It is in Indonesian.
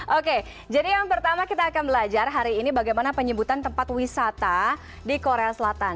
oke jadi yang pertama kita akan belajar hari ini bagaimana penyebutan tempat wisata di korea selatan